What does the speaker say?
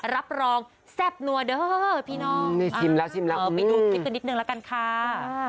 รับรองแซ่บนัวเด้อพี่น้องนี่ซิมแล้วซิมแล้วไปดูนิดหนึ่งแล้วกันค่ะ